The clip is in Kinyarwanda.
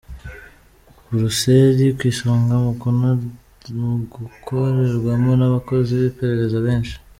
Buruseli ku isonga mu gukorerwamo n’abakozi b’iperereza benshi